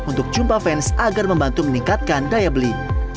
untuk jumpa fans agar membantu meningkatkan daya beli